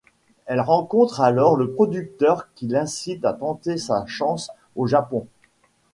Elle rencontre alors le producteur qui l'incite à tenter sa chance au Japon.